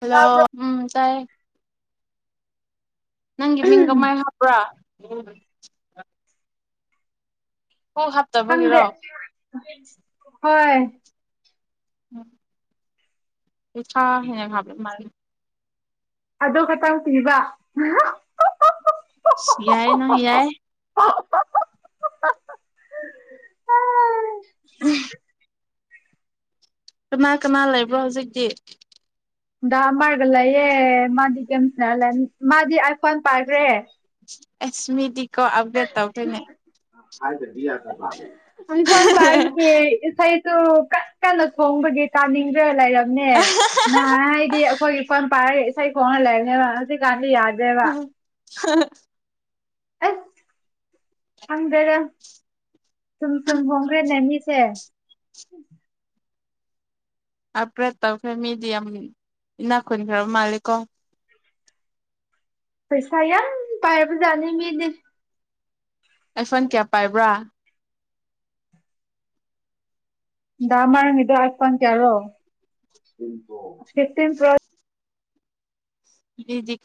Hello ꯎꯝ ꯇꯥꯏ ꯅꯪꯒꯤ ꯃꯤꯡꯒ ꯃꯥꯏ ꯍꯥꯏꯕ꯭ꯔꯥ ꯎꯝ ꯈꯪꯗꯦ ꯍꯣꯏ ꯎꯝ ꯄꯩꯁꯥ ꯍꯦ ꯍꯥꯏꯕ ꯃꯥ ꯑꯗꯨ ꯈꯇꯪ ꯄꯤꯕ ꯌꯥꯏ ꯅ ꯌꯥꯏ [inaudible] ꯀꯅꯥ ꯀꯅꯥ ꯂꯩꯕ꯭ꯔꯣ ꯍꯧꯖꯤꯛꯇꯤ ꯗꯥ ꯑꯃꯔꯒ ꯂꯩꯌꯦꯦ ꯃꯥꯗꯤ ꯀ ꯃꯥꯗꯤ ꯑꯥꯏꯐꯣꯟ ꯄꯥꯏꯈ꯭ꯔꯦ ꯑꯦꯁꯃꯤꯗꯤ ꯀꯣ ꯑꯞꯗꯦꯠ ꯇꯧꯈꯅꯦ ꯏꯝꯐꯜ ꯄ ꯍꯥꯏꯕꯒꯤ ꯏꯁꯩꯗꯨ ꯀ ꯀꯟꯅ ꯁꯣꯡꯕꯒꯤ ꯇꯥꯅꯤꯡꯕ ꯂꯩꯔꯕꯝꯅꯦ ꯅꯍꯥꯟ ꯍꯥꯏꯗꯤ ꯑꯩꯈꯣꯏꯒꯤ ꯐꯣꯟ ꯄꯥꯏꯔ ꯑꯁ ꯀꯣꯟ ꯂ ꯂꯩꯒꯦꯗꯤ ꯀꯥꯟ ꯌꯥꯗ ꯎꯝ ꯑꯗꯔ ꯁꯨꯝ ꯁꯨꯝ ꯍꯣꯡꯈ꯭ꯔꯦꯅꯦ ꯃꯤꯁꯦ ꯎꯝ ꯑꯞꯒ꯭ꯔꯦꯗ ꯇꯧꯈ꯭ꯔꯦ ꯃꯦꯗꯤꯌꯝ ꯏꯅꯥꯈꯨꯟꯈ꯭ꯔ ꯃꯥꯜꯂꯤꯦꯀꯣ ꯄꯩꯁ ꯌꯥꯝ ꯄꯥꯏꯔꯕꯨ ꯆꯅꯤ ꯃꯤꯗꯤ ꯑꯩ ꯐꯟ ꯀꯌꯥ ꯄꯥꯏꯕ꯭ꯔꯥ ꯗ ꯑꯃꯔ ꯃꯤꯗ ꯑꯄ ꯇꯔꯣ ꯐꯇꯤꯟ ꯄ [unintelligible]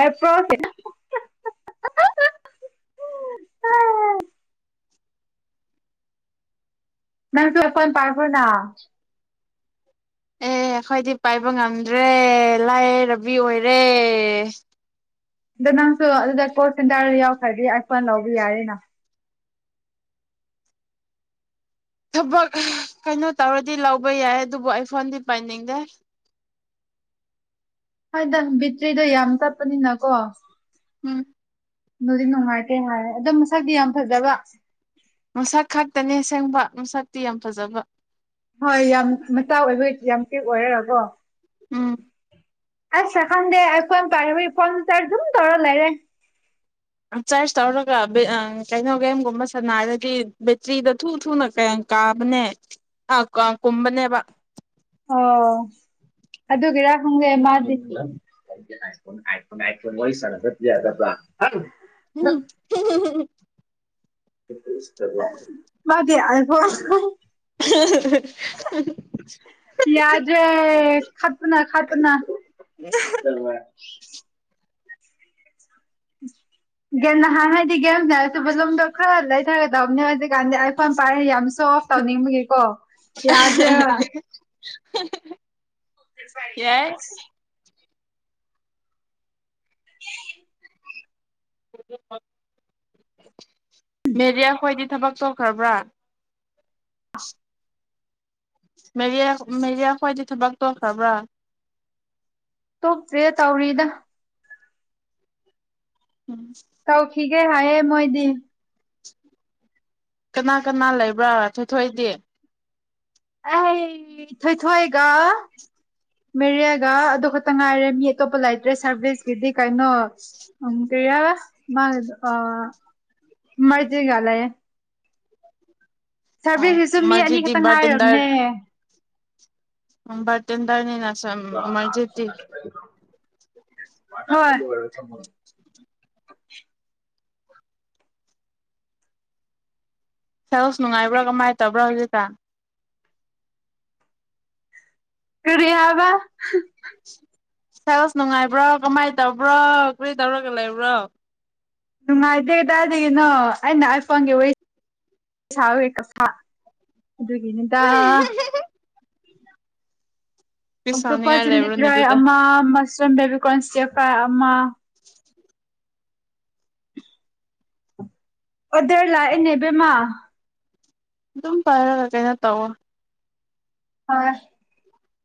ꯑꯦ ꯐ꯭ꯔꯣꯁꯦꯅ ꯃ ꯇꯂ ꯐꯣꯟ ꯄꯥꯔꯔꯕꯅ ꯑꯦ ꯑꯩꯈꯣꯏꯗꯤ ꯄꯥꯏꯕ ꯉꯝꯗ꯭ꯔꯦ ꯂꯥꯏꯔꯕꯤ ꯑꯣꯏꯔꯦ ꯑꯗꯣ ꯅꯪꯁꯨ ꯑꯗꯨꯗ ꯀꯣꯔ ꯁꯦꯟꯇꯔ ꯌꯥꯎꯈ꯭ꯔꯗꯤ ꯑꯄꯅ ꯂꯧꯕ ꯌꯥꯔꯤꯅ ꯊꯕꯛ ꯀꯩꯅꯣ ꯇꯧꯔꯗꯤ ꯂꯧꯕ ꯌꯥꯏ ꯑꯗꯨꯕꯨ ꯑꯩ ꯐꯣꯟꯗꯤ ꯄꯥꯏꯅꯤꯡꯗꯦ ꯍꯣꯏꯗ ꯕꯤꯇ꯭ꯔꯤꯗꯣ ꯌꯥꯝ ꯆꯠꯄꯅꯤꯅꯀꯣ ꯎꯝ ꯑꯗꯨꯗꯤ ꯅꯨꯡꯉꯥꯏꯇꯦ ꯍꯥꯏꯔꯦ ꯑꯗꯣ ꯃꯁꯛꯇꯤ ꯌꯥꯝ ꯐꯖꯕ ꯃꯁꯛ ꯈꯛꯇꯅꯦ ꯑꯁꯦꯡꯕ ꯃꯁꯛꯇꯤ ꯌꯥꯝ ꯐꯖꯕ ꯍꯣꯏ ꯌꯥꯝ ꯃꯇꯥ ꯑꯣꯏꯕꯒꯤ ꯌꯥꯝ ꯄꯤꯛ ꯑꯣꯏꯔꯕꯣ ꯎꯝ ꯑꯁ ꯁ ꯁꯟꯗꯦ ꯑꯩ ꯐꯣꯟꯝ ꯄꯥꯏꯔ ꯐꯣꯟ ꯇꯔ ꯑꯗꯨꯝ ꯇꯧꯔ ꯂꯩꯔꯦ ꯆꯥꯔꯖ ꯇꯧꯔꯒ ꯀꯩꯅꯣ ꯒꯦꯝꯒꯨꯝꯕ ꯁꯝꯅ ꯍꯥꯏꯔꯗꯤ ꯕꯦꯇ꯭ꯔꯤꯗ ꯊꯨ ꯊꯨꯅꯌꯥꯝ ꯀꯥꯕꯅꯦ ꯀꯨꯝꯕꯅꯦꯕ ꯑꯣ ꯑꯗꯨꯒꯤꯔ ꯈꯪꯒꯦ ꯃꯥꯗꯤ ꯎꯝ ꯃꯥꯗꯤ ꯍꯥꯏꯈꯣ ꯄꯌꯥꯖ ꯈꯠꯇꯅꯥ ꯈꯄꯅꯥ ꯒꯤꯅ ꯍꯥꯗꯤ ꯅꯦꯗ ꯈꯔꯂ ꯒꯗ ꯑꯝꯅꯦ ꯍꯥꯏꯖꯤꯛꯒꯥꯟ ꯑꯥꯏ ꯐꯣꯟ ꯄꯔ ꯌꯥꯝ ꯐ ꯇꯧꯅꯤꯡꯕꯒꯤꯀꯣ ꯌꯥꯗ꯭ꯔꯦꯕ [inaudible] [unintelligible] ꯐꯔꯤ ꯌꯥꯏ [unintelligible] ꯎ ꯦꯔꯤꯌꯥ ꯈꯣꯏꯗꯤ ꯊꯕꯛ ꯆꯣꯛꯈ꯭ꯔꯕ꯭ꯔꯥ ꯃꯦꯔꯤꯌꯥ ꯃꯦꯔꯤꯌꯥ ꯈ꯭ꯋꯥꯗꯤ ꯊꯕꯛ ꯇꯧꯈ꯭ꯔꯕ꯭ꯔꯥ ꯇꯣꯛꯇ꯭ꯔꯤ ꯇꯧꯔꯤꯗ ꯎꯝ ꯇꯧꯈꯤꯒꯦ ꯍꯥꯏ ꯑꯦ ꯃꯣꯏꯗꯤ ꯀꯅꯥ ꯀꯅꯥ ꯂꯩꯕ꯭ꯔꯥ ꯊꯣꯏꯊꯣꯛꯏꯗꯤ ꯑꯩ ꯊꯣꯏꯊꯣꯏꯒ ꯃꯦꯔꯦꯌꯥꯒ ꯑꯗꯨ ꯈꯛꯇ ꯉꯥꯏꯔꯦ ꯃꯤ ꯑꯇꯣꯞꯄ ꯂꯩꯇ꯭ꯔꯦ ꯁꯥꯔꯚꯤꯁꯀꯤꯗꯤ ꯀꯩ ꯎ ꯀꯌꯥꯕ ꯃꯥ ꯃꯔꯖꯤ ꯂꯥꯏꯦ ꯑꯣ ꯁꯔꯚꯤꯁꯁꯤꯁꯨ ꯃꯤ ꯃꯔꯖꯤꯗꯤ ꯑꯅꯤꯈꯛꯇ ꯉꯥꯏꯔꯕꯅꯦ ꯎꯝꯕꯔꯇꯤꯟ ꯇꯥꯔꯅꯤ ꯅ ꯝ ꯎꯃꯔꯖꯦꯇꯤ [inaudible] ꯁꯔꯣ ꯅꯨꯡꯉꯥꯏꯕ꯭ꯔꯥ ꯀꯃꯥꯏꯅ ꯇꯧꯕ꯭ꯔꯣ ꯍꯧꯖꯤꯛ ꯀ ꯀꯔꯤ ꯍꯥꯏꯕ ꯀꯂ꯭ꯥꯁ ꯅꯨꯡꯉꯥꯏꯕ꯭ꯔꯣ ꯀꯃꯥꯏꯅ ꯇꯧꯕ꯭ꯔꯣ ꯀꯔꯤ ꯇꯧꯔꯒ ꯂꯩꯕ꯭ꯔꯣ ꯅꯨꯡꯉꯥꯏꯗꯦ ꯀꯗꯥꯗꯒꯤꯅꯣ ꯑꯩꯅ ꯍꯥꯏ ꯐꯪꯟꯒꯤ ꯋꯥꯔꯤ ꯁꯥꯕꯒꯤ ꯀꯥ ꯑꯗꯨꯒꯤꯅꯤꯗ ꯄꯤꯁ ꯑꯣꯛꯇꯣꯞꯄꯁ ꯁꯥꯎꯅꯤꯡꯉꯥꯏ ꯂꯩꯕ꯭ꯔꯣꯅꯦ ꯆꯤꯜꯂꯤꯗ꯭ꯔꯣꯏ ꯑꯗꯨꯗ ꯑꯃ ꯃꯁ ꯆꯗꯦꯕꯤ ꯀꯣꯟꯟꯁꯇꯤ ꯐꯔꯥꯏ ꯑꯃ [inaudible] ꯑꯣꯗꯔꯂꯥꯛꯑꯦꯅꯦ ꯏꯅꯦꯕꯃ ꯑꯗꯨꯝ ꯄꯥꯏꯔꯒ ꯀꯩꯅꯣ ꯇꯧꯋꯣ ꯍꯣꯏ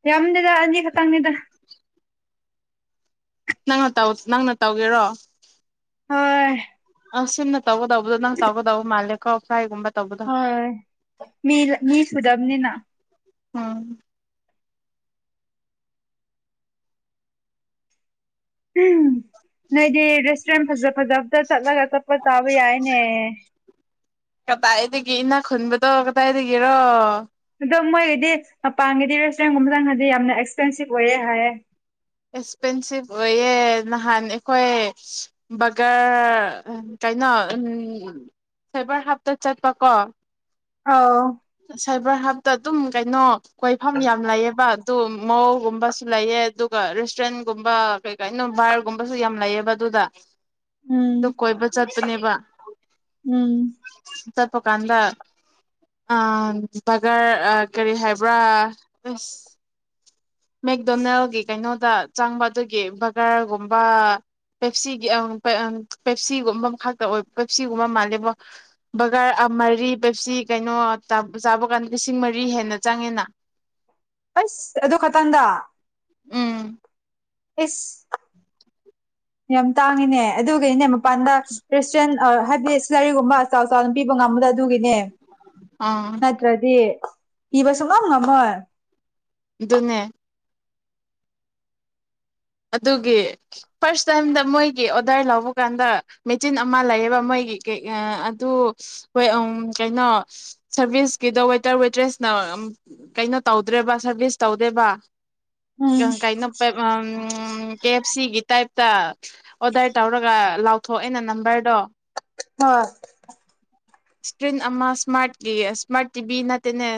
ꯌꯥꯝꯗꯦꯗ ꯑꯅꯤ ꯈꯛꯇꯪꯅꯤꯗ ꯅꯪꯅ ꯇꯧ ꯅꯪꯅ ꯇꯧꯒꯦꯔꯣ ꯍꯣꯏ ꯑꯁꯤꯝꯅ ꯇꯧꯒꯗꯕꯗꯣ ꯅꯪꯅ ꯇꯧꯒꯗꯕ ꯃꯥꯜꯂꯦ ꯀꯥꯎꯐꯥꯏꯒꯨꯝꯕ ꯍꯣꯏ ꯃꯤ ꯃꯤ ꯁꯨꯗꯝꯅꯤꯅꯥ ꯎꯝ ꯎꯝ ꯅꯣꯏꯗꯤ ꯔꯤꯁ ꯇꯦꯟꯖ [inaudible] [unintelligible] ꯐꯖꯕꯗ ꯆꯠꯂꯒ ꯆꯠꯄ ꯆꯥꯕ ꯌꯥꯏꯅꯦ ꯀꯗꯥꯏꯗꯒꯤ ꯏꯅꯥ ꯈꯨꯟꯕꯗꯣ ꯀꯗꯥꯏꯗꯒꯤꯔꯣ ꯑꯗꯣ ꯃꯣꯏꯒꯤꯗꯤ ꯃꯄꯥꯟꯒꯤꯗꯤ ꯔꯦꯁꯇꯨꯔꯦꯟꯒꯨꯝꯕ ꯆꯪ ꯍꯥꯏꯗꯤ ꯌꯥꯝꯅ ꯑꯦꯛꯁꯄꯦꯟꯁꯤꯞ ꯑꯣꯏꯌꯦ ꯍꯥꯏꯌꯦ ꯑꯦꯛꯁꯄꯦꯟꯁꯤꯞ ꯑꯣꯏꯌꯦ ꯅꯍꯥꯟ ꯑꯩꯈꯣꯏ ꯕꯒꯔ ꯀꯩꯅꯣ ꯐꯦꯕꯔ ꯍꯥꯞꯇ ꯆꯠꯄꯀꯣ ꯑꯥꯎ ꯁꯥꯏꯕꯔ ꯍꯥꯞꯇ ꯑꯗꯨꯝ ꯀꯩꯅꯣ ꯀꯣꯏꯐꯝ ꯌꯥꯝ ꯂꯥꯛꯑꯦꯕ ꯑꯗꯣ ꯃꯣꯜꯒꯨꯝꯕꯁꯨ ꯂꯩꯑꯦ ꯑꯗꯨ ꯔꯦꯁꯇꯨꯔꯦꯟꯒꯨꯝꯕ ꯀꯩ ꯀꯩꯅꯣ ꯚꯔꯒꯨꯝꯕꯁꯨ ꯌꯥꯝ ꯂꯩꯑꯕ ꯑꯗꯨꯗ ꯑꯗꯨ ꯎꯝ ꯀꯣꯏꯕ ꯆꯠꯄꯅꯦꯕ ꯎꯝ ꯆꯠꯄ ꯀꯥꯟꯗ ꯑꯥ ꯕꯒꯔ ꯀꯔꯤ ꯍꯥꯏꯕ꯭ꯔꯥ ꯃꯦꯛꯗꯣꯅꯦꯜꯒꯤ ꯀꯩꯅꯣꯗ ꯆꯪꯕ ꯑꯗꯨꯒꯤ ꯕꯒꯔꯒꯨꯝꯕ ꯄꯦꯞꯁꯤꯒꯤ ꯄꯦꯞꯁꯤꯒꯨꯝꯕ ꯈꯛꯇ ꯑꯣꯏ ꯄꯦꯞꯁꯤꯒꯨꯝꯕ ꯃꯥꯜꯂꯦꯕ ꯕꯒꯔ ꯃꯔꯤ ꯄꯦꯞꯁꯤ ꯀꯩꯅꯣ ꯆꯥꯕ ꯀꯥꯟꯗ ꯂꯤꯁꯤꯡ ꯃꯔꯤ ꯍꯦꯟꯅ ꯆꯪꯉꯦꯅ ꯑꯁ ꯑꯗꯨ ꯈꯇꯪꯗ ꯎꯝ ꯑꯦꯁ ꯌꯥꯝ ꯇꯥꯡꯉꯤꯅꯦ ꯑꯗꯨꯒꯤꯅꯦ ꯃꯄꯥꯟꯗ ꯔꯦꯁꯇꯨꯔꯦꯟ ꯍꯥꯏꯕꯗꯤ ꯁꯤꯂꯔꯤꯒꯨꯝꯕ ꯆꯥꯎ ꯆꯥꯎꯅ ꯄꯤꯕ ꯉꯝꯕꯗ ꯑꯗꯨꯒꯤꯅꯦ ꯑꯥ ꯅꯠꯇ꯭ꯔꯗꯤ ꯄꯤꯕ ꯁꯨꯛꯉꯝ ꯉꯃꯣꯏ ꯑꯗꯨꯅꯦ ꯑꯗꯨꯒꯤ ꯐꯥꯔꯁ ꯇꯥꯏꯝꯗ ꯃꯣꯏꯒꯤ ꯑꯣꯗꯔ ꯂꯧꯕ ꯀꯥꯟꯗ ꯃꯦꯆꯤꯟ ꯑꯃ ꯂꯩꯌꯦꯕ ꯃꯣꯏꯒꯤ ꯑꯗꯨ ꯍꯣꯏ ꯀꯩꯅꯣ ꯁꯔꯚꯤꯁꯁꯀꯤꯗ ꯋꯦꯇꯔ ꯋꯦꯗ꯭ꯔꯦꯁ ꯀꯩꯅꯣ ꯇꯧꯗ꯭ꯔꯦꯕ ꯁꯔꯚꯤꯁ ꯇꯧꯗꯦꯕ ꯎꯝ ꯀꯩꯅ ꯅꯨꯄ ꯎ ꯀꯦ ꯑꯦꯞ ꯁꯤꯒꯤ ꯇꯥꯏꯞꯇ ꯑꯣꯗꯥꯏꯇ ꯑꯣꯔꯒ ꯂꯥꯎ ꯇꯧꯊꯣꯛꯑꯦꯩꯅ ꯅꯝꯕꯔꯗꯣ ꯑ ꯏꯁꯀ꯭ꯔꯤꯟ ꯑꯃ ꯏꯁꯃꯥꯔꯠꯀꯤ ꯏꯁꯃꯥꯔꯠ ꯇꯤꯚꯤ ꯅꯠꯇꯦꯅꯦ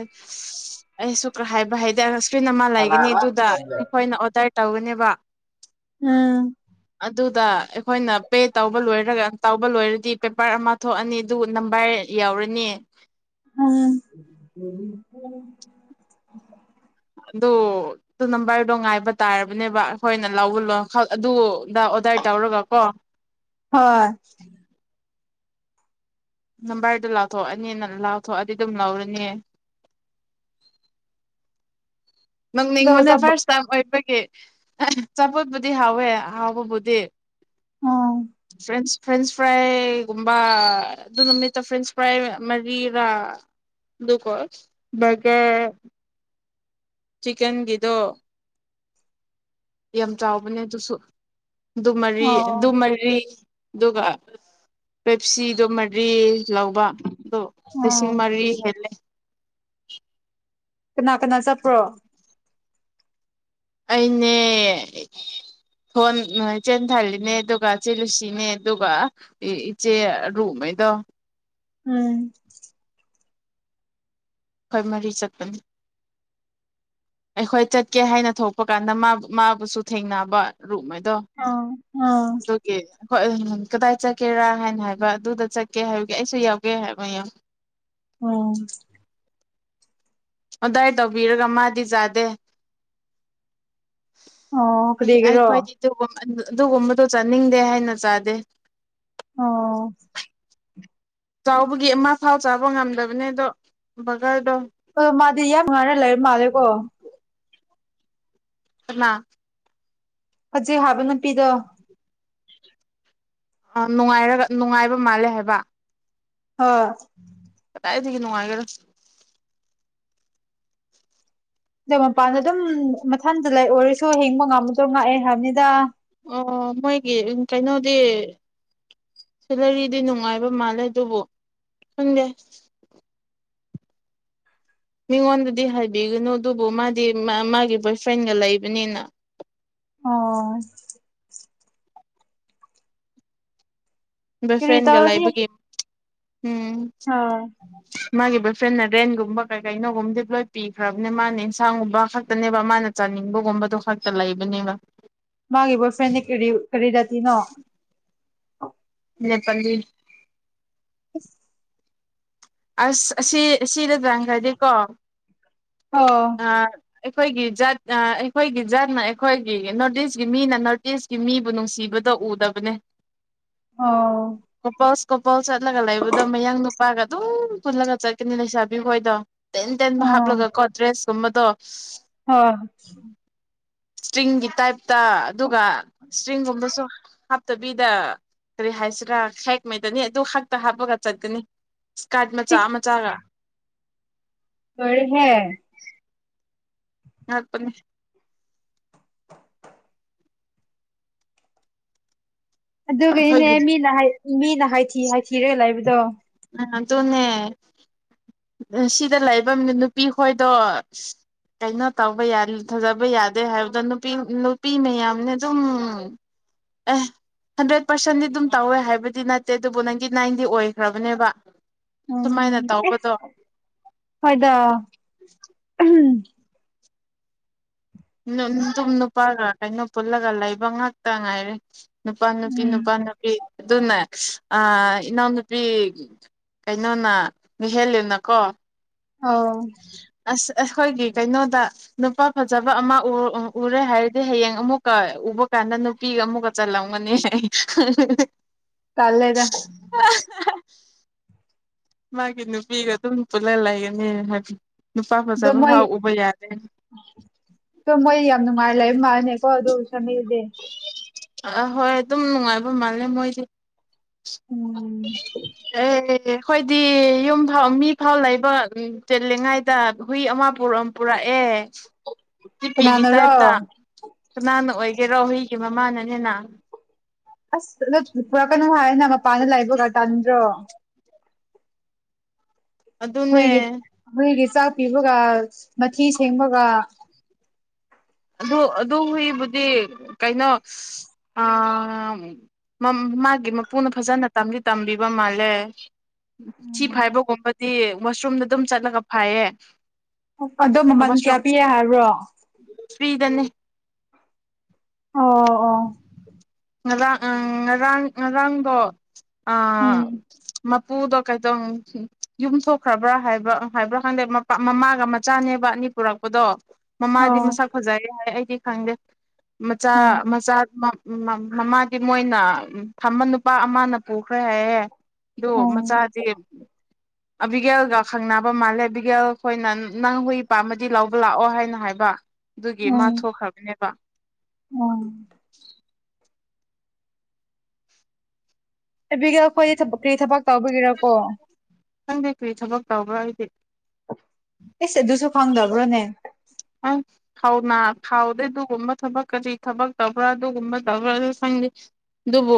ꯑꯩꯁꯨ ꯍꯥꯏꯕ ꯍꯥꯏꯗꯔ ꯇ꯭ꯔꯤꯟ ꯑꯃ ꯂꯩꯒꯅꯤ ꯑꯗꯨꯗ ꯑꯩꯈꯣꯏꯅ ꯑꯣꯗꯔ ꯇꯧꯒꯅꯦꯕ ꯎꯝ ꯑꯗꯨꯗ ꯑꯩꯈꯣꯏꯅ ꯄꯦ ꯇꯧꯕ ꯂꯣꯏꯔꯒ ꯇꯧꯕ ꯂꯣꯏꯔꯗꯤ ꯄꯦꯄꯔ ꯑꯃ ꯊꯣꯛꯑꯅꯤ ꯑꯗꯨ ꯅꯝꯕꯔ ꯌꯥꯎꯔꯅꯤ ꯎꯝ [inaudible] ꯑꯗꯨ ꯅꯝꯕꯔꯗꯣ ꯉꯥꯏꯕ ꯇꯥꯔꯕꯅꯦꯕ ꯑꯩꯈꯣꯏꯅ ꯂꯧꯕꯂꯣ ꯑꯗꯨꯗ ꯑꯣꯗꯔ ꯇꯧꯔꯒ ꯀꯣ ꯍꯣꯏ ꯅꯝꯕꯔꯗꯣ ꯂꯥꯎꯊꯣꯛꯑꯅꯤ ꯂꯥꯎꯊꯣꯛꯑꯗꯤ ꯑꯗꯨꯝ ꯂꯧꯔꯅꯤ ꯑꯗꯣ ꯅꯪꯅꯤꯡꯕꯅ ꯆꯠꯄ ꯐꯥꯔꯁ ꯇꯥꯏꯝ ꯑꯣꯏꯕꯒꯤ ꯆꯆꯥꯄꯣꯠꯄꯨꯗꯤ ꯍꯥꯎꯋꯦ ꯍꯥꯎꯕꯕꯨꯗꯤ ꯎꯝ ꯐ꯭ꯔꯦꯟꯁ ꯐ꯭ꯔꯦꯟꯁ ꯐ꯭ꯔꯥꯏꯒꯨꯝꯕ ꯑꯗꯨ ꯅꯨꯃꯤꯠꯇ ꯐ꯭ꯔꯦꯟꯁ ꯐ꯭ꯔꯥꯏ ꯃꯔꯤꯔꯥ ꯑꯗꯨꯀꯣ ꯕꯔꯒꯔ ꯆꯀꯦꯟꯒꯤꯗꯣ ꯌꯥꯝ ꯆꯥꯎꯕꯅꯦ ꯑꯗꯨꯁꯨ ꯗꯨꯃꯔꯤ ꯑꯣ ꯗꯨꯃꯔꯤ ꯑꯗꯨꯒ ꯄꯦꯞꯁꯤꯗꯣ ꯃꯔꯤ ꯂꯧꯕ ꯑꯗꯨꯣ ꯑꯣ ꯂꯤꯁꯤꯡ ꯃꯔꯤ ꯍꯦꯜꯂꯦ ꯀꯅꯥ ꯀꯅꯥ ꯆꯠꯄ꯭ꯔꯣ ꯑꯩꯅꯦꯣꯟ ꯏꯆꯦꯟ ꯊꯥꯂꯤꯅꯦ ꯑꯗꯨꯒ ꯏꯆꯦꯜꯂꯨꯁꯤꯅꯦ ꯑꯗꯨꯒ ꯏꯆꯦ ꯑꯔꯨꯉꯩꯗꯣ ꯎꯝ ꯑꯩꯈꯣꯏ ꯃꯔꯤ ꯆꯠꯄꯅꯤ ꯑꯩꯈꯣꯏ ꯆꯠꯀꯦ ꯍꯥꯏꯅ ꯊꯣꯛꯄ ꯀꯥꯟꯗ ꯃꯥꯕꯨꯁꯨ ꯊꯦꯡꯅꯕ ꯔꯨꯞ ꯑꯥ ꯑꯥ ꯍꯣꯏ ꯀꯗꯥꯏ ꯆꯠꯀꯦꯔꯥ ꯍꯥꯏꯅ ꯍꯥꯏꯕ ꯑꯗꯨꯗ ꯆꯠꯀꯦ ꯍꯥꯏꯕꯒꯤꯦ ꯑꯩꯁꯨ ꯌꯥꯎꯒꯦ ꯍꯥꯏꯕꯡ ꯎꯝ ꯑꯗꯨꯗꯥꯏ ꯇꯧꯕꯤꯔꯒ ꯃꯥꯗꯤ ꯌꯥꯥꯗꯦ ꯑꯣ ꯀꯗꯤꯒꯦꯔꯣ ꯑꯗꯨꯒꯨꯝꯕꯗꯣ ꯆꯥꯅꯤꯡꯗꯦ ꯍꯥꯏꯅ ꯆꯥꯗꯦ ꯑꯣ ꯆꯥꯎꯕꯒꯤ ꯑꯃ ꯐꯥꯎ ꯆꯥꯕ ꯉꯝꯗꯕꯅꯦ ꯑꯗꯣ ꯕꯀꯔꯗꯣ ꯑꯥ ꯃꯥꯗꯤ ꯌꯥꯝ ꯉꯅ ꯂꯩꯔ ꯃꯥꯜꯂꯦꯀꯣ ꯅꯥ ꯐꯖꯩ ꯍꯥꯏꯕ ꯅꯨꯄꯤꯗ ꯑ ꯅꯨꯡꯉꯥꯏꯔꯒ ꯅꯨꯡꯉꯥꯏꯕ ꯃꯥꯜꯂꯦ ꯍꯥꯏꯕ ꯍꯥꯥ ꯀ ꯇ ꯊꯒꯤꯅꯅꯨꯡꯉꯥꯏꯒꯦꯔ ꯑꯗꯣ ꯃꯄꯥꯟꯗ ꯑꯗꯨꯝ ꯃꯊꯟꯗ ꯂꯩ ꯑꯣꯏꯔꯁꯨ ꯍꯤꯡꯕ ꯉꯝꯃꯗꯣ ꯉꯥꯛꯑꯦ ꯍꯥꯏꯕꯅꯤꯗ ꯑꯣ ꯃꯣꯏꯒꯤ ꯀꯩꯅꯣꯗꯤ ꯁꯦꯂꯔꯤꯗꯤ ꯅꯨꯡꯉꯥꯏꯕ ꯃꯥꯜꯂꯦ ꯑꯗꯨꯕꯨ ꯈꯪꯗꯦ ꯃꯤꯉꯣꯟꯗꯗꯤ ꯍꯥꯏꯕꯤꯒꯅꯨ ꯑꯗꯨꯕꯨ ꯃꯥꯗꯤ ꯃꯥꯒꯤ ꯕꯣꯏ ꯐ꯭ꯔꯦꯟꯒ ꯂꯩꯕꯅꯤꯅ ꯑꯣ ꯀꯔꯤ ꯐ꯭ꯔꯦꯟꯒ ꯇꯧꯔꯅꯤ ꯂꯥꯏꯕꯒꯤ ꯎꯝ ꯑ ꯃꯥꯒꯤ ꯕꯣꯏ ꯐ꯭ꯔꯦꯟꯅ ꯔꯦꯟꯒꯨꯝꯕ ꯀꯩ ꯀꯩꯅꯣꯒꯨꯝꯕꯗꯤ ꯂꯣꯏ ꯄꯤꯈ꯭ꯔꯕꯅꯦ ꯃꯥꯅ ꯑꯦꯟꯁꯥꯡꯒꯨꯝꯕ ꯈꯛꯇꯅꯦꯕ ꯃꯥꯅ ꯆꯥꯅꯤꯡꯕꯒꯨꯝꯕꯗꯣ ꯈꯛꯇ ꯂꯩꯕꯅꯦꯕ ꯃꯥꯒꯤ ꯕꯣꯏ ꯐ꯭ꯔꯦꯟ ꯀꯔꯤꯗꯇꯤꯅꯣ ꯑ ꯅꯦꯄꯜꯂꯤ ꯑ ꯑꯁ ꯑꯁꯤ ꯁꯤꯗ ꯆꯥꯟꯈ꯭ꯔꯗꯤꯀꯣ ꯑ ꯑꯩꯈꯣꯏꯒꯤ ꯖꯥꯠ ꯑꯩꯈꯣꯏꯒꯤ ꯖꯥꯠꯅ ꯑꯩꯈꯣꯏꯒꯤ ꯅꯣꯔꯠ ꯏꯁꯀꯤ ꯃꯤꯅ ꯅꯣꯔꯠ ꯏꯁꯀꯤ ꯃꯤꯕꯨ ꯅꯨꯡꯁꯤꯕꯗ ꯎꯗꯕꯅꯦ ꯑꯣ ꯑꯄꯥ ꯀꯣꯄꯜ ꯆꯠꯂꯒ ꯂꯩꯕꯗꯣ ꯃꯌꯥꯡ ꯅꯨꯄꯥꯒ ꯑꯗꯨꯝ ꯄꯨꯜꯂꯒ ꯆꯠꯀꯅꯤ ꯂꯩꯁꯥꯕꯤ ꯍꯣꯏꯗꯣ ꯇꯦꯟ ꯇꯦꯟ ꯍꯥꯞꯄꯂꯒ ꯀꯣ ꯗ꯭ꯔꯦꯁ ꯀꯨꯝꯃꯗꯣ ꯍꯥꯥ ꯏꯁꯇꯔꯤꯡꯒꯤ ꯇꯥꯏꯞꯇ ꯑꯗꯨꯒ ꯏꯁꯇꯔꯤꯡꯒꯨꯝꯕꯁꯨ ꯍꯥꯞꯇꯕꯤꯗ ꯀꯔꯤ ꯍꯥꯏꯁꯤꯔꯥ ꯍꯦꯛꯉꯩꯗꯅꯤ ꯑꯗꯨ ꯈꯛꯇ ꯍꯥꯞꯄꯒ ꯆꯠꯀꯅꯤ ꯏꯁꯀꯥꯠ ꯃꯆꯥ ꯏꯁ ꯃꯆꯥꯒ ꯂꯣꯏꯔꯦꯍꯦ ꯉꯄ ꯑꯗꯨꯒꯅꯦ ꯑꯩꯈꯣꯏꯒꯤ ꯃꯤꯅ ꯃꯤꯅꯊ ꯍꯥꯏꯊꯤꯔꯒ ꯂꯩꯕꯗꯣ ꯑ ꯇꯣꯅꯦ ꯁꯤꯗ ꯂꯩꯕ ꯅꯨꯄꯤ ꯈꯣꯏꯗꯣ ꯀꯩꯅꯣ ꯇꯧꯕ ꯊꯖꯕ ꯌꯥꯗꯦ ꯍꯥꯏꯕꯗꯣ ꯅꯨꯄꯤ ꯅꯨꯄꯤ ꯃꯌꯥꯝꯅ ꯑꯗꯨꯝ ꯑꯦ ꯍꯟꯗ꯭ꯔꯦꯠ ꯄꯥꯔꯁꯦꯟꯗꯤ ꯑꯗꯨꯝ ꯇꯧꯋꯦ ꯍꯥꯏꯕꯗꯤ ꯅꯠꯇꯦ ꯑꯗꯨꯕꯨ ꯅꯥꯏꯟꯇꯤ ꯅꯥꯏꯟꯗꯤ ꯑꯣꯏꯈ꯭ꯔꯕꯅꯦꯕ ꯁꯨꯃꯥꯏꯅ ꯎꯝ ꯑꯦ ꯇꯧꯕꯗꯣ ꯍꯣꯏꯗ ꯝ ꯅꯨꯄꯥꯒ ꯀꯩꯅꯣ ꯄꯨꯜꯂꯒ ꯂꯩꯕ ꯉꯥꯛꯇ ꯉꯥꯏꯔꯦ ꯅꯨꯄꯥ ꯅꯨꯄꯤ ꯎꯝ ꯅꯨꯄꯥ ꯅꯨꯄꯤ ꯑꯗꯨꯅꯦ ꯏꯅꯥꯎꯅꯨꯄꯤ ꯀꯩꯅꯣꯅ ꯅꯨꯍꯦꯂꯅꯀꯣ ꯑꯥ ꯑꯩꯈꯣꯏꯒꯤ ꯀꯩꯅꯣꯗ ꯅꯨꯄꯥ ꯐꯖꯕ ꯑꯃ ꯎꯔꯦ ꯍꯥꯏꯔꯗꯤ ꯍꯌꯦꯡ ꯑꯃꯨꯛꯀ ꯎꯕ ꯀꯥꯟꯗ ꯅꯨꯄꯤꯒ ꯑꯃꯨꯛꯀ ꯆꯜꯂꯝꯒꯅꯤ ꯇꯂꯦꯗ꯫ ꯃꯥꯒꯤ ꯅꯨꯄꯤꯒ ꯑꯗꯨꯝ ꯄꯨꯜꯂ ꯂꯩꯒꯅꯤ ꯍꯥꯏꯕ ꯅꯨꯄꯥ ꯑꯗꯣ ꯐꯖꯕ ꯃꯣꯏ ꯐꯥꯎ ꯎꯕ ꯌꯥꯗꯦ ꯑꯣ ꯃꯣꯏ ꯌꯥꯝ ꯅꯨꯡꯉꯥꯏ ꯂꯩ ꯃꯥꯜꯅꯦ ꯑꯣ ꯑꯗꯨ ꯁꯃꯤꯗꯦ ꯑꯍꯣꯏ ꯑꯗꯨꯝ ꯅꯨꯡꯉꯥꯏꯕ ꯃꯥꯜꯂꯦ ꯃꯣꯏꯁꯦ꯫ ꯑ ꯎꯝ ꯑꯦ ꯑꯩꯈꯣꯏꯗꯤ ꯌꯨꯝ ꯐꯥꯎ ꯃꯤ ꯐꯥꯎ ꯂꯩꯕ ꯎꯝ ꯆꯠꯂꯤꯉꯥꯏꯗ ꯍꯨꯏ ꯑꯃ ꯄꯨꯔꯝ ꯄꯨꯔꯛꯑꯦ꯫ ꯀꯤꯄꯤꯒꯤ ꯀꯅꯥꯅꯔꯣ ꯇꯥꯏꯞꯇ ꯀꯅꯥꯅ ꯑꯣꯏ ꯀꯦꯔꯣ ꯍꯨꯏꯒꯤ ꯃꯃꯥꯅꯅꯦꯅ꯫ ꯑꯁ ꯇꯗ ꯄꯨꯔꯛꯀꯅꯨ ꯍꯥꯏꯅ ꯃꯄꯥꯟꯗ ꯂꯥꯏꯕꯛ ꯏ ꯇꯗ꯭ꯔꯣ ꯑꯗꯨ ꯑꯗꯨꯅꯦ ꯑꯩꯈꯣꯏꯒꯤ ꯑꯩꯈꯣꯏꯒꯤ ꯆꯥꯛ ꯄꯤꯕꯒꯥ ꯃꯊꯤ ꯁꯦꯡꯕꯒꯥ ꯑꯗꯨ ꯑꯗꯨ ꯍꯨꯏꯕꯨꯗꯤ ꯀꯩꯅꯣ ꯃꯥꯒꯤ ꯃꯄꯨꯅ ꯐꯖꯅ ꯇꯝꯗꯤ ꯇꯝꯕꯤꯕ ꯃꯥꯜꯂꯦ ꯊꯤ ꯐꯥꯏꯕꯒꯨꯝꯕ ꯗꯤ ꯃꯁꯔꯨꯝꯗ ꯑꯗꯨꯝ ꯆꯠꯂꯒ ꯐꯌꯦ꯫ ꯑꯗꯣ ꯃꯃꯜ ꯀꯌꯥ ꯄꯤꯦ ꯍꯥꯏꯕ꯭ꯔꯣ ꯐ꯭ꯔꯤꯗꯅꯦ꯫ ꯑꯣ ꯑꯣ ꯉꯔꯥꯡ ꯎꯝ ꯉꯔꯥꯡ ꯉꯔꯥꯡꯗꯣ ꯎꯝ ꯑꯥ ꯃꯞ ꯄꯨꯗꯣ ꯀꯩꯇꯧ ꯌꯨꯝꯊꯣꯛꯈ꯭ꯔꯕ꯭ꯔꯥ ꯍꯥꯏꯕ ꯍꯥꯏꯕ꯭ꯔꯥ ꯈꯪꯗꯦ ꯃꯄ ꯃꯃꯥꯒ ꯃꯆꯥꯅꯦꯕ ꯑꯅꯤ ꯄꯨꯔꯛꯄꯗꯣ꯫ ꯃꯃꯥꯗꯤ ꯑꯣ ꯃꯁꯛ ꯐꯖꯩꯦ ꯍꯥꯏ ꯑꯩ ꯈꯪꯒꯦ ꯃꯆꯥ ꯑꯣ ꯃꯃꯥꯗꯤ ꯃꯣꯏꯅ ꯊꯝꯕ ꯅꯨꯄꯥ ꯑꯃꯅ ꯄꯨꯈ꯭ꯔꯦ ꯍꯥꯏꯌꯦꯦ ꯑꯗꯣ ꯑꯣ ꯃꯆꯥꯗꯤꯦ ꯑꯕꯤꯒꯦꯜꯒ ꯈꯪꯅꯕ ꯃꯥꯜꯂꯦ ꯕꯤꯒꯦꯜ ꯑꯩꯈꯣꯏꯅ ꯅꯪ ꯍꯨꯏ ꯄꯥꯝꯃꯗꯤ ꯂꯧꯕ ꯂꯥꯛꯑꯣ ꯍꯥꯏꯅ ꯍꯥꯏꯕ ꯑꯗꯨꯒꯤ ꯃꯥ ꯊꯣꯛꯈ꯭ꯔꯕꯅꯦꯕ꯫ ꯎꯝ ꯑꯦꯕꯤꯒꯦꯜ ꯈꯣꯏꯗꯤ ꯊꯕꯛ ꯀꯔꯤ ꯊꯕꯛ ꯇꯧꯕꯒꯤꯔꯀꯣ꯫ ꯈꯪꯗꯦ ꯀꯔꯤ ꯊꯕꯛ ꯇꯧꯕ꯭ꯔꯥ ꯍꯥꯏꯗꯤ꯫ ꯑꯦꯁ ꯑꯗꯨꯁꯨ ꯐꯪꯗꯕ꯭ꯔꯣꯅꯦ ꯍꯥꯎꯗꯦ ꯑꯗꯨꯒꯨꯝꯕ ꯊꯕꯛ ꯀꯔꯤ ꯊꯕꯛ ꯇꯧꯕ꯭ꯔꯥ ꯑꯗꯨꯒꯨꯝꯕ ꯇꯧꯕ꯭ꯔꯥ ꯁꯪꯗꯦ ꯑꯗꯨꯕꯨ